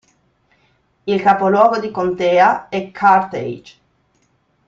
Il capoluogo di contea è Carthage.